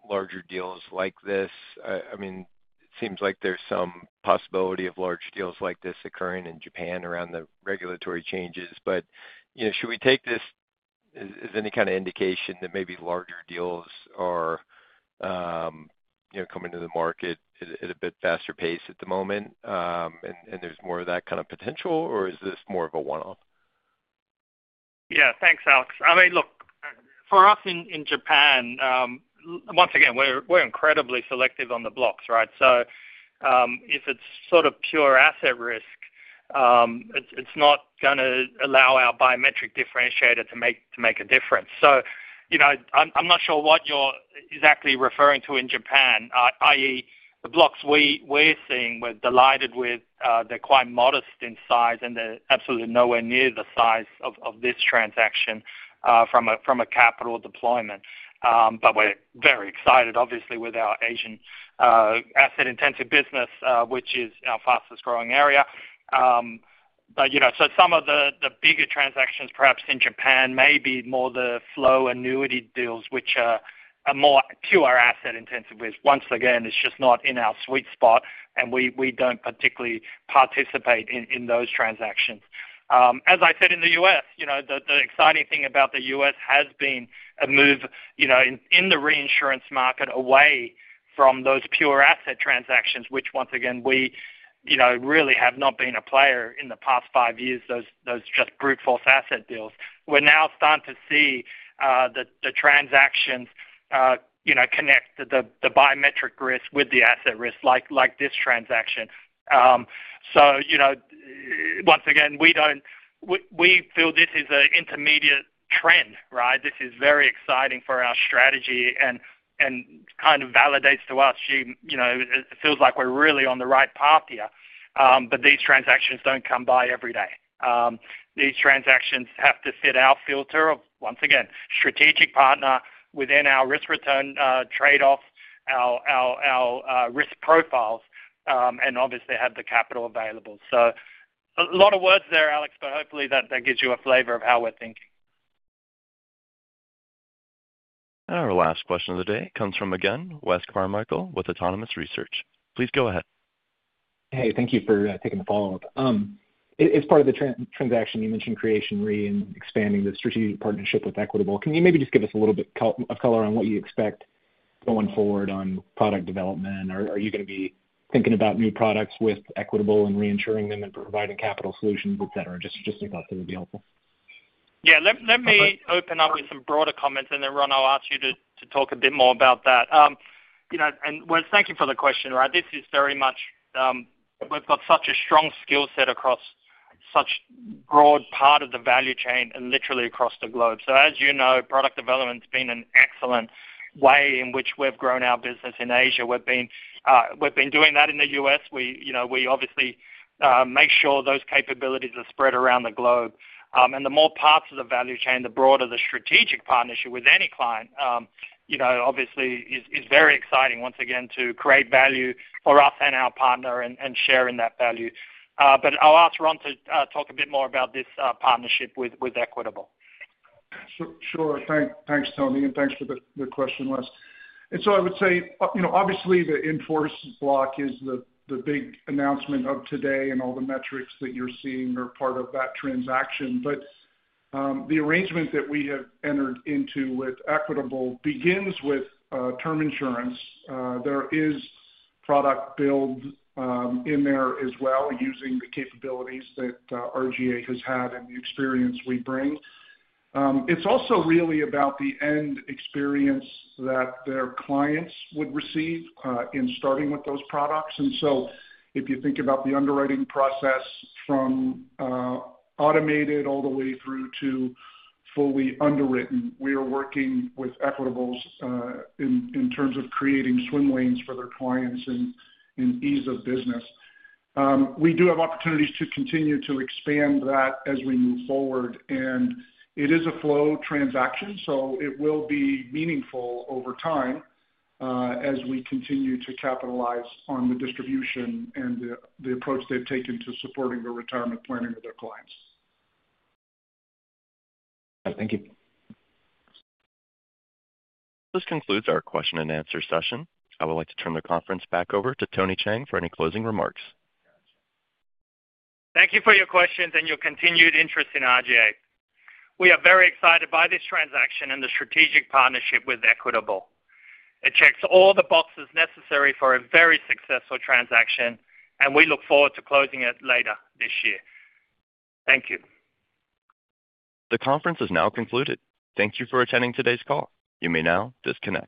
larger deals like this? I mean, it seems like there's some possibility of large deals like this occurring in Japan around the regulatory changes, but should we take this as any kind of indication that maybe larger deals are coming to the market at a bit faster pace at the moment and there's more of that kind of potential, or is this more of a one-off? Yeah. Thanks, Alex. I mean, look, for us in Japan, once again, we're incredibly selective on the blocks, right? So if it's sort of pure asset risk, it's not going to allow our biometric differentiator to make a difference. So I'm not sure what you're exactly referring to in Japan, i.e., the blocks we're seeing, we're delighted with. They're quite modest in size, and they're absolutely nowhere near the size of this transaction from a capital deployment. But we're very excited, obviously, with our Asian asset-intensive business, which is our fastest growing area. So some of the bigger transactions, perhaps in Japan, may be more the flow annuity deals, which are more pure asset-intensive. Once again, it's just not in our sweet spot, and we don't particularly participate in those transactions. As I said, in the U.S., the exciting thing about the U.S. has been a move in the reinsurance market away from those pure asset transactions, which, once again, we really have not been a player in the past five years, those just brute force asset deals. We're now starting to see the transactions connect the biometric risk with the asset risk, like this transaction. So once again, we feel this is an intermediate trend, right? This is very exciting for our strategy and kind of validates to us, it feels like we're really on the right path here. But these transactions don't come by every day. These transactions have to fit our filter of, once again, strategic partner within our risk-return trade-off, our risk profiles, and obviously have the capital available. So a lot of words there, Alex, but hopefully that gives you a flavor of how we're thinking. And our last question of the day comes from, again, Wes Carmichael with Autonomous Research. Please go ahead. Hey, thank you for taking the follow-up. As part of the transaction, you mentioned Creation Re and expanding the strategic partnership with Equitable. Can you maybe just give us a little bit of color on what you expect going forward on product development? Are you going to be thinking about new products with Equitable and reinsuring them and providing capital solutions, etc.? Just your thoughts. That would be helpful. Yeah. Let me open up with some broader comments, and then, Ron, I'll ask you to talk a bit more about that. And Wes, thank you for the question, right? This is very much we've got such a strong skill set across such a broad part of the value chain and literally across the globe. So as you know, product development has been an excellent way in which we've grown our business in Asia. We've been doing that in the U.S. We obviously make sure those capabilities are spread around the globe. And the more parts of the value chain, the broader the strategic partnership with any client, obviously, is very exciting, once again, to create value for us and our partner and sharing that value. But I'll ask Ron to talk a bit more about this partnership with Equitable. Sure. Thanks, Tony. And thanks for the question, Wes. And so I would say, obviously, the in-force block is the big announcement of today, and all the metrics that you're seeing are part of that transaction. But the arrangement that we have entered into with Equitable begins with term insurance. There is product build in there as well using the capabilities that RGA has had and the experience we bring. It's also really about the end experience that their clients would receive in starting with those products. And so if you think about the underwriting process from automated all the way through to fully underwritten, we are working with Equitable in terms of creating swim lanes for their clients and ease of business. We do have opportunities to continue to expand that as we move forward. It is a flow transaction, so it will be meaningful over time as we continue to capitalize on the distribution and the approach they've taken to supporting the retirement planning of their clients. Thank you. This concludes our question and answer session. I would like to turn the conference back over to Tony Cheng for any closing remarks. Thank you for your questions and your continued interest in RGA. We are very excited by this transaction and the strategic partnership with Equitable. It checks all the boxes necessary for a very successful transaction, and we look forward to closing it later this year. Thank you. The conference is now concluded. Thank you for attending today's call. You may now disconnect.